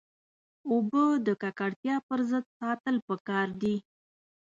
اوبه د ککړتیا پر ضد ساتل پکار دي.